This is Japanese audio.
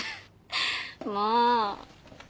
もう！